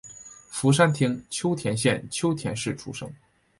福山町秋田县秋田市出生。